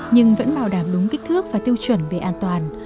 nhưng vẫn bảo đảm đúng kích thước và tiêu chuẩn về an toàn